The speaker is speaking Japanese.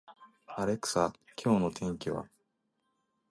アレクサ、今日の天気は